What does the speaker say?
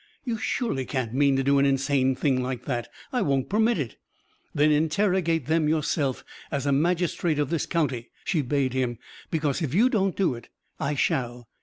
"You surely can't mean to do an insane thing like that! I won't permit it!" "Then interrogate them yourself, as a magistrate of this county!" she bade him. "Because if you don't do it, I shall.